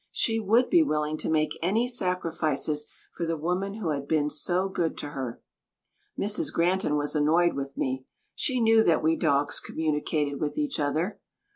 She would be willing to make any sacrifices for the woman who had been so good to her. Mrs. Granton was annoyed with me. She knew that we dogs communicated with each other.